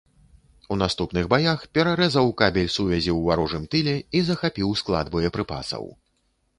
У наступных баях перарэзаў кабель сувязі у варожым тыле і захапіў склад боепрыпасаў.